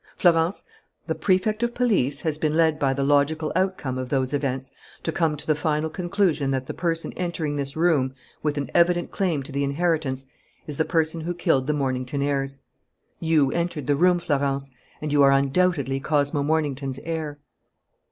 "Florence, the Prefect of Police has been led by the logical outcome of those events to come to the final conclusion that the person entering this room with an evident claim to the inheritance is the person who killed the Mornington heirs. You entered the room, Florence, and you are undoubtedly Cosmo Mornington's heir."